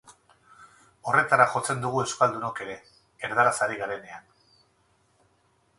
Horretara jotzen dugu euskaldunok ere, erdaraz ari garenean.